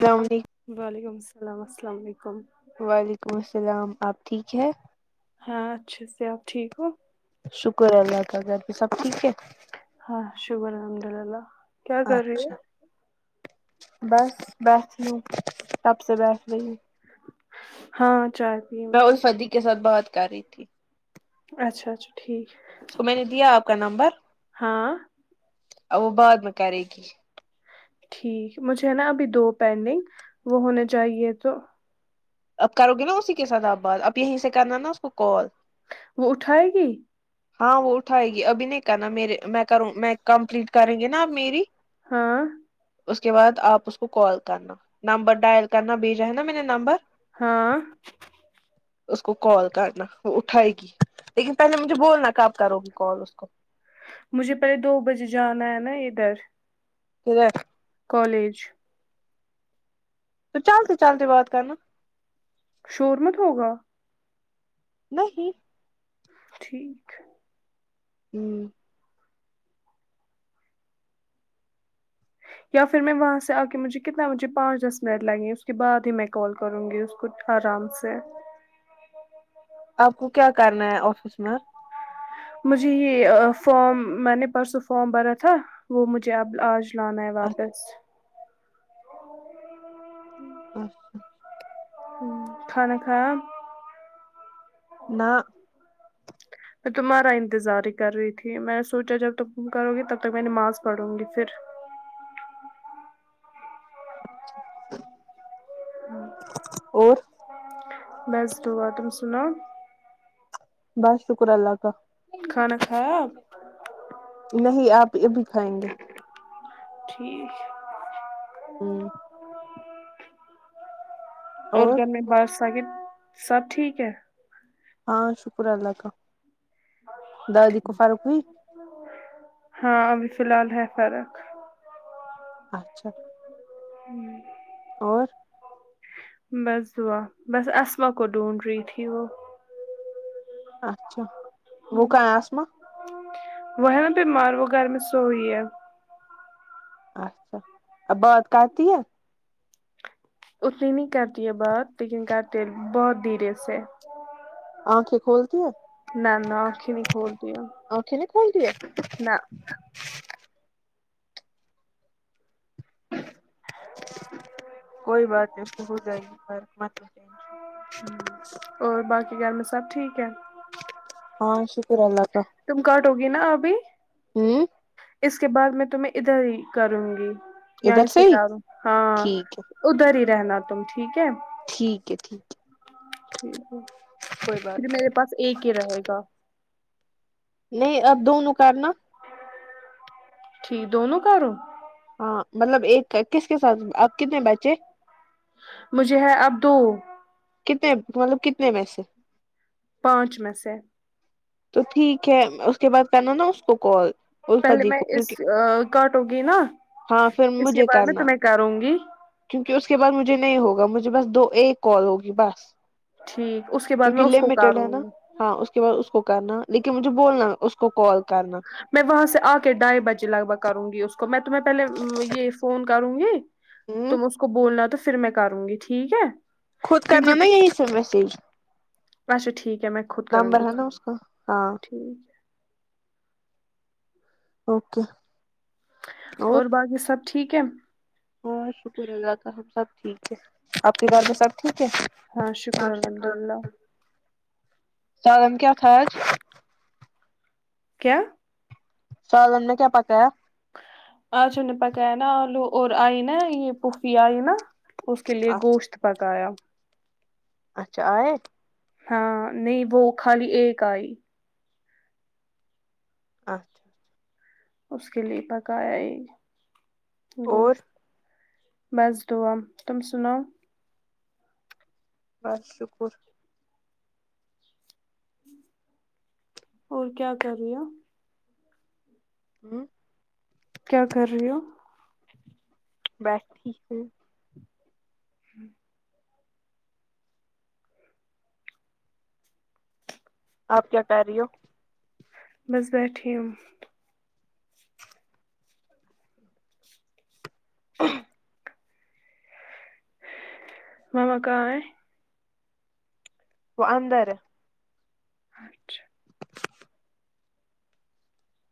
السلام علیکم وعلیکم السلام السلام علیکم وعلیکم السلام آپ ٹھیک ہے ہاں اچھے سے آپ ٹھیک ہو شکر ہے اللہ کا گھر پے سب ٹھیک ہے ہاں شکر الحمد للہ کیا کر رہی ہو اچھا بس بیٹھی ہوں تب سے بیٹھ رہی ہوں ہاں چائے پی میں تو اس نے۔ فدیق کے ساتھ بات کری اچھا اچھا ٹھیک اس کو میں نے دیا آپ کا نمبر ہاں ا وہ بعد میں کرے گی ٹھیک مجھے نا ابھی دو پینڈنگ وہ ہونے چاہیے تو اب کرو گے نا اسی کے ساتھ آپ بات اب یہیں سے کرنا نا اس کو کال وہ اٹھائے گی ہاں وہ اٹھائے گی ابھی نہیں کرنا میرے میں کروں میں کمپلیٹ کریں گے نا اب میری ہاں اس کے بعد آپ اس کو کال کرنا نمبر ڈائل کرنا بھیجا ہے نا میں نے نمبر ہاں اس کو کال کرنا وہ اٹھائے گی لیکن پہلے مجھے بولنا کب کرو گی کال اس کو مجھے پہلے دو بجے جانا ہے نا ادھر کدھر کالج تو چلتے چلتے بات کرنا شور مت ہوگا نہیں ٹھیک ہوں یا پھر میں وہاں سے آ کے مجھے کتنا بجے پانچ دس منٹ لگیں گے اس کے بعد ہی میں کال کروں گی اس کو آرام سے آپ کو کیا کرنا ہے آفس میں مجھے یہ فارم میں نے پرسوں فارام بھرا تھا وہ مجھے اب آج لانا ہے واپس اچھا کھانا کھایا نا میں تمہارا انتظار ہی کر رہی تھی میں نے سوچا جب تک تم کرو گی تب تک میں نماز پڑھوں گی پھر اور بس دعا تم سناؤ بس شکر اللہ کا کھانا کھایا نہیں اپی ابھی کھائیں گے ٹھیک ہے ہوں اور گھر میں باقی سبھی سب ٹھیک ہے ہاں شکر اللہ کا دادی کو فرق ہوئی ہاں ابھی فلحال ہے فرق اچھا اور بس دعا بس اسما کو ڈھونڈ رہی تھی وہ اچھا وہ کہاں ہے آسما وہ ہے نہ بیمار وہ گھر میں سوئی ہے اچھا اب بات کرتی ہے اتنی نہیں کرتی ہے بات لیکن کرتے بہت دھیرے سے آنکھیں کھولتی ہے نہ نہ آنکھیں نہیں کھولتی ہے آنکھیں نہیں کھولتی ہے نہ کوئی بات نہیں اسکو ہو جائےگی فرق مت لو ٹینشن اور باقی گھر میں سب ٹھیک ہے ہاں شکر اللہ کا تم کاٹو گی نا ابھی ہ اس کے بعد میں تمہیں ادھر ہی کروں گی یہیں ادھر سے ہی کرو ہاں ٹھیک ہے ادھر ہی رہنا تم ٹھیک ہے ٹھیک ہے ٹھیک ہے ٹھیک ہے کوئی بات پھر میرے پاس ایک ہی رہے گا نہیں اب دونوں کرنا ٹھیک دونوں کرو ہاں مطلب ایک کا کس کے ساتھ اب کتنے بچے مجھے ہے اب دو کتنے مطلب کتنےمیں پیسے پانچ میں سے تو ٹھیک ہے اس کے بعد کرنا نا اس کو کال پہلے الفدی میں کو اس کیونکہ کاٹو گی نا ہاں پھر اس کے مجھے بعد میں کرنا تمہیں کروں گی کیونکہ اس کے بعد مجھے نہیں ہوگا مجھے بس دو ایک کال ہوگی بس ٹھیک اس کے بعد میں کیونکہ اس کو لمیٹیڈ ہے کروں نا گی ہاں اس کے بعد اس کو کرنا لیکن مجھے بولنا اس کو کال کرنا میں وہاں سے آ کے ڈھائی بجے لگ بھگ کروں گی اس کو میں تمہیں پہلے یہ فون کروں گی ہ تم اس کو بولنا تو پھر میں کروں گی ٹھیک ہے خود کرنا نا کیونکہ یہیں سے مسیج اچھا ٹھیک ہے میں خود کروں نمبر گی ہے نا میں، اس کا ہاں ٹھیک ہے؟ اوکے اور باقی سب ٹھیک ہے اور شکر االلہ کا ہم سب ٹھیک ہے آپ کے گھر میں سب ٹھیک ہے ہاں شکر الحمد اللہ [unintelligible] سالن کیا تھا آج کیا سالن میں کیا پکایا آج ہم نے پکایا نا آلو اور آئی نا یہ پھوفی آئی نا اس کے لیئے گوشت پکایا اچھا آئے ہاں نہیں وہ خالی ایک آئی اچھا اچھا اس کے لیے پکایا یہ اور گوشت بس دعا تم سناؤ بس شکر اور کیا کر رہی ہو ہ کیا کر رہی ہو بیٹھی ہوں ہوں آپ کیا کر رہی ہو بس بیٹھی ہوں [inaudible] مما کہاں ہے وہ اندر ہے اچھا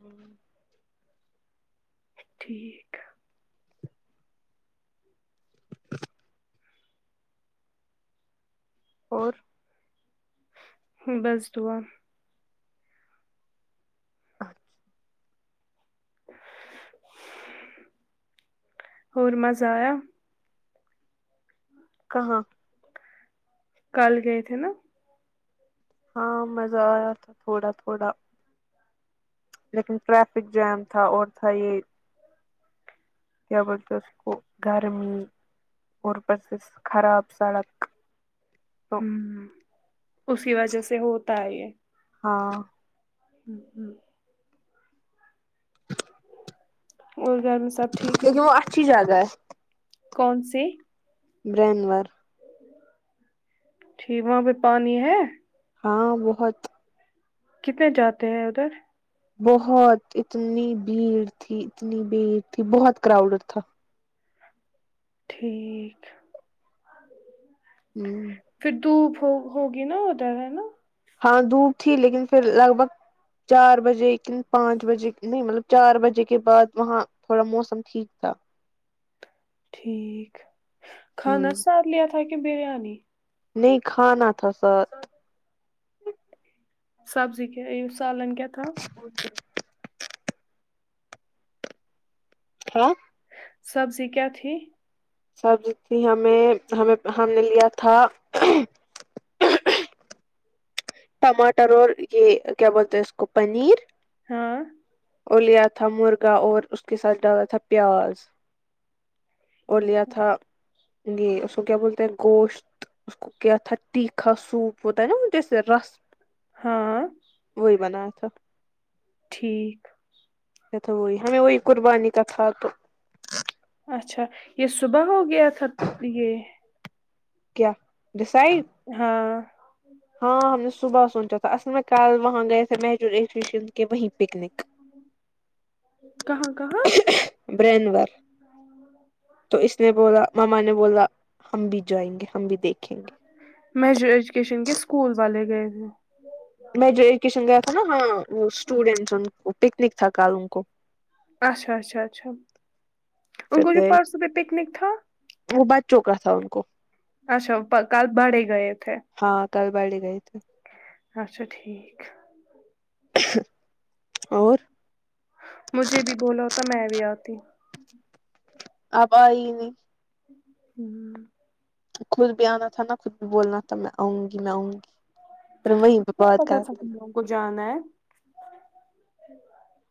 ہوں ٹھیک اور بس دعا اور مزہ آیا کہاں کل گئے تھے نا ہاں مزہ آیا تھا تھوڑا تھوڑا لیکن ٹریفک جیم تھا اور تھا یہ کیا بولتے اس کو گرمی اور اوپر سے خراب سڑک تو ہوں اسی وجہ سے ہوتا ہے یہ ہاں ہوں ہوں اور گھر میں سب ٹھیک ہے کیونکہ وہ اچھی جگہ ہے کون سی برنور ٹھیک وہاں پہ پانی ہے ہاں بہت کتنے جاتے ہیں ادھر بہت اتنی بھیڑ تھی اتنی بھیڑ تھی بہت کراؤڈ تھا ٹھیک ہوں پھر دھوپ ہو ہوگی نا ادھر ہے نا ہاں دھوپ تھی لیکن فر لگ بھگ چار بجے کن پانچ بجے نہیں مطلب چار بجے کے بعد وہاں تھوڑا موسم ٹھیک تھا ٹھیک کھانا سادہ لیا تھا کے بریانی نہیں کھانا تھا ساد سبزی کیا سالان کیا تھا [inaudible] ہاں سبزی کیا تھی سبز تھی ہمیں ہمیں ہم نے لیا تھا ٹماٹر اور یہ کیا بولتے اس کو پنیر ہاں اور لیا تھا مرغا اور اس کے ساتھ ڈالا تھا پیاز لیا تھا یہ اس کو کیا بولتے ہیں گوشت اس کو کیا تھا تیکھا سوپ ہوتا ہے نا وہ جس سے رس ہاں وہی بنایا تھا ٹھیک تو وہی ہمیں وہی قربانی کا تھا تو اچھا یہ صبح ہو گیا تھا پ یہ کیا ڈیسائڈ ہاں ہاں ہم نے صبح سوچا تھا اصل میں کل وہاں گئے تھے مہجورشن کے وہیں پکنک کہاں کہاں برینور تو اس نے بولا مما نے بولا ہم بھی جائیں گے ہم بھی دیکھیں گے میجر ایجوکیشن کے اسکول والے گئے تھے میجر ایجوکیشن گیا تھا نا ہاں وہ اسٹوڈینٹس ان کو پکنک تھا کل ان کو اچھا اچھا اچھا ان پھر کو جو گئے پرسوں بھی پکنک تھا وہ بچوں کا تھا ان کو اچھا پ کل بڑے گئے تھے ہاں کل بڑے گئے تھے اچھا ٹھیک اور مجھے بھی بولا ہوتا میں بھی آتی ہوں ہوں آپ آئی نہیں ہوں خود بھی آنا تھا نا خود بھی بولنا تھا میں آؤں گی میں آؤں گی پھر وہیں مجھے پہ کیا بات پتا کر تھا تم لوگوں کو جانا ہے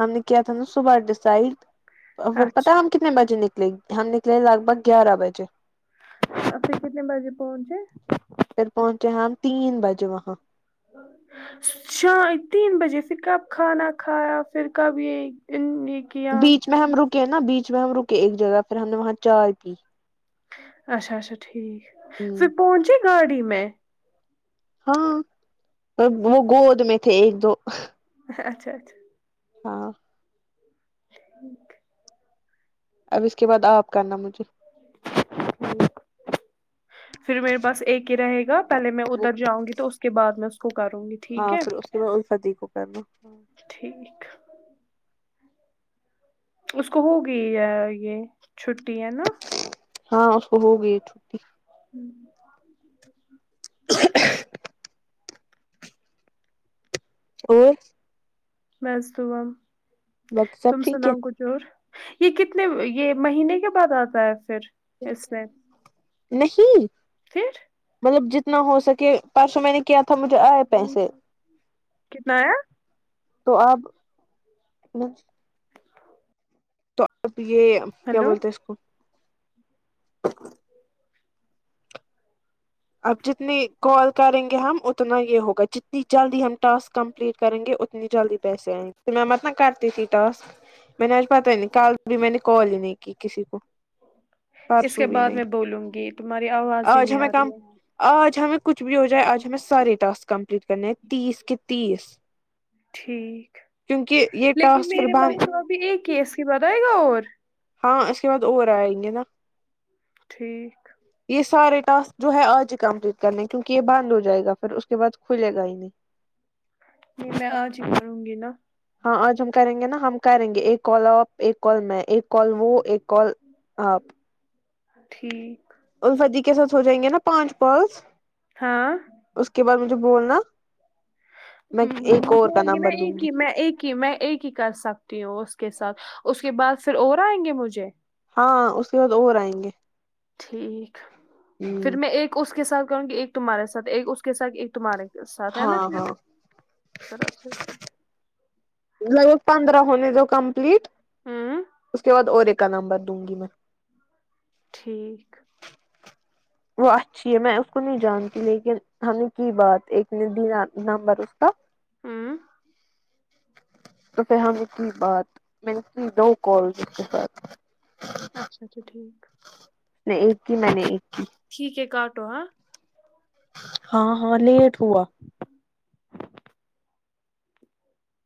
ہم نے کیا تھا نا صبح ڈسائڈ پھر پتا اچھا ہم کتنے بجے نکلے ہم نکلے لگ بھگ گیارہ بجے پھر کتنے بجے پہنچے پھر پہنچے ہم تین بجے وہاں شاید تین بجے پھر کب کھانا کھایا پھر کب یہ ایک دن بیچ میں ہم رکے نا بیچ میں ہم رکے ایک جگہ پھر ہم نے وہاں چائے پی اچھا اچھا ٹھیک پھر پہونچے گاڑی میں ہاں تب وہ گود میں تھے ایک دو اچھا اچھا ہاں ٹھیک اب اس کے بعد آپ کرنا مجھے پھر میرے پاس ایک ہی رہے گا پہلے میں وہ ادھر جاؤں گی تو اس کے بعد میں اس کو کروں گی ہاں ٹھیک ہے پھر اس کے بعد الفتیح کو کرنا ٹھیک اس کو ہوگی یا یہ چھٹی ہے نا ہاں اس کو ہوگئی چھٹی ہوں [inaudible] اور بس دعا باقی تم سب ٹھیک ہے سناؤ کچھ اور یہ کتنے یہ مہینے کے بعد آتا ہے پھر اس میں نہیں پھر مطلب جتنا ہو سکے پرسوں میں نے کیا تھا مجھے آئے پیسے کتنا آیا تو اب مجھ تو اب یہ کیا ہیلو بولتے اس کو اب جتنی کال کریں گے ہم اتنا یہ ہوگا جتنی جلدی ہم ٹاسک کمپلیٹ کریں گے ات اتنی جلدی پیسے آئیں تو میں مت نہ کرتی تھی ٹاسک میں نے آج پتا ہی نہیں کل بھی میں نے کال ہی نہیں کی کسی کو اس پرسوں کے بھی بعد نہیں میں بولوں گی تمہاری آواز ہی آج نہیں ہمیں آ رہی کم ہے آج ہمیں کچھ بھی ہو جائے آج ہمیں سارے ٹاسک کمپلیٹ کرنے ہیں تیس کے تیس ٹھیک کیونکہ یہ لیکن ٹاسک پھر میرے بعد پاس تو ابھی ایک کیس کی بعد آائے گا اور ہاں اس کے بعد اور آینگے نا ٹھیک یہ سارے ٹاسک جو ہے آج ہی کمپلیٹ کرنے کیونکہ یہ بند ہو جائے گا پھر اس کے بعد کھلے گا ہی نہیں پھر میں آج ہی کروں گی نا ہاں آج ہم کریں گے نا ہم کریں گے ایک کال آپ ایک کال میں ایک کال وہ ایک کال آپ ٹھیک الفت دی کے ساتھ ہو جائیں گے نا پانچ کالس ہاں اس کے بعد مجھے بولنا میں ایک اور کا نمبر دوں گی کہ میں ایک ہی کر سکتی ہوں اس کے ساتھ اس کے بعد پھر اور آئیں گے مجھے ہاں اس کے بعد اور آئیں گے ٹھیک ہ پھر میں ایک اس کے ساتھ کروں گی ایک تمہارے ساتھ ایک اس کے ساتھ ایک تمہارے ساتھ ہے نا ہاں ہاں ٹھیک [unintelligible] میرے پندرہ ہونے دو کمپلیٹ ہوں اس کے بعد اور ایک کا نمبر دوں گی میں ٹھیک وہ اچھی ہے میں اس کو نہیں جانتی لیکن ہم نے کی بات ایک نے دی آپ نمبر اس کا ہوں تو پھر ہم نے کی بات میں نے کی دو کال کے اس کے ساتھ اچھا اچھا ٹھیک نہیں ایک کی میں نے ایک کی ٹھیک ہے کاٹو ہاں ہاں ہاں لیٹ ہوا